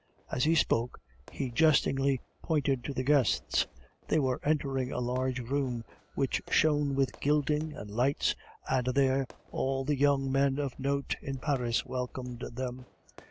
As he spoke, he jestingly pointed to the guests. They were entering a large room which shone with gilding and lights, and there all the younger men of note in Paris welcomed them.